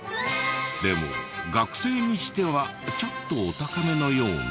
でも学生にしてはちょっとお高めのような。